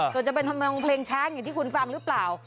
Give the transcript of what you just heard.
โดยจะเป็นเพลงช้างอย่างที่คุณฟังหรือเปล่า